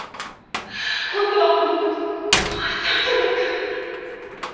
今度は本当に壊しちゃうんじゃないか。